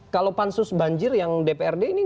kalau pansus banjir yang dprd ini